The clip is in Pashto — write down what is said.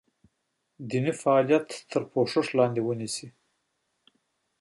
دیني فعالیت تر پوښښ لاندې ونیسي.